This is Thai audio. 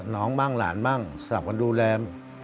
น้องบ้างหลานบ้างสลับกันดูแล